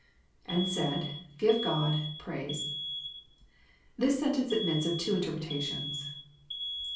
[^And said,.. give Ood...prai8e.2 This sentence admits of two interpretations.